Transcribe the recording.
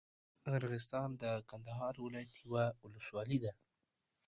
ارغسان د کندهار ولايت یوه اولسوالي ده.